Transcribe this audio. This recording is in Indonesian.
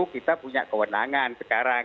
kita punya kewenangan sekarang